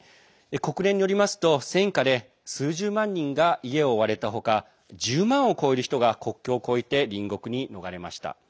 国連によりますと、戦火で数十万人が家を追われた他１０万を超える人が国境を越えて隣国に逃れました。